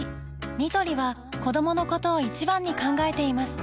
ニトリは子どものことを一番に考えています